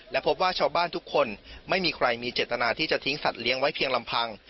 และพบว่าชาวบ้านทุกคนไม่มีใครมีเจตนาที่จะทิ้งสัตว์ไว้เพียงลำพัง